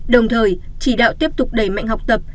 đồng thời chỉ đạo tiếp tục đẩy mạnh học tập